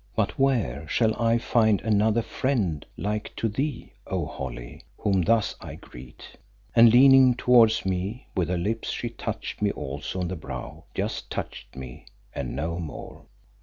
But where shall I find another friend like to thee, O Holly, whom thus I greet?" and leaning towards me, with her lips she touched me also on the brow just touched me, and no more.